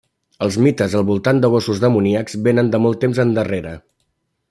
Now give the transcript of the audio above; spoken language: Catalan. Els mites al voltant de gossos demoníacs vénen de molt temps endarrere.